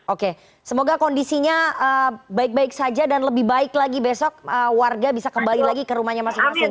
oke semoga kondisinya baik baik saja dan lebih baik lagi besok warga bisa kembali lagi ke rumahnya masing masing